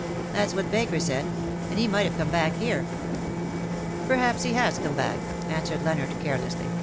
That's what Baker said; and he might have come back here.'^ " Perhaps he has come back,'' answered Leonard, carelessly.